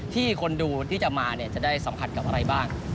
คนดูที่จะมาจะได้สัมผัสกับอะไรบ้าง